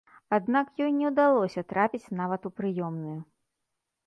Аднак ёй не ўдалося трапіць нават у прыёмную.